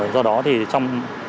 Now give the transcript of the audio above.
do đó thì trong